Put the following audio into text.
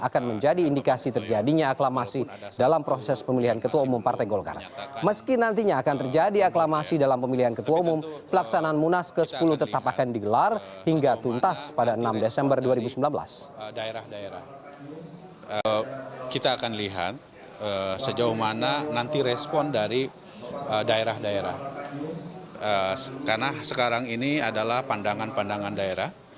karena sekarang ini adalah pandangan pandangan daerah